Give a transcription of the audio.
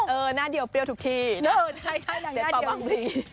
เออหน้าเดียวเปรี้ยวทุกทีนะได้ต่อบางทีอื้อใช่